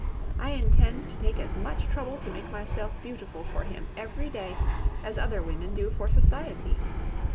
I intend to take as much trouble to make myself beautiful for him every day as other women do for society.